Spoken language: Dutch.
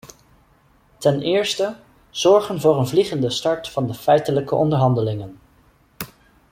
Ten eerste, zorgen voor een vliegende start van de feitelijke onderhandelingen.